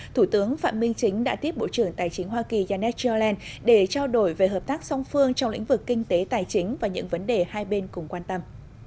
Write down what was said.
thủ tướng phạm minh chính đã tiếp bộ trưởng tài chính hoa kỳ janet yellen để trao đổi về hợp tác song phương trong lĩnh vực kinh tế tài chính và những vấn đề hai bên cùng quan tâm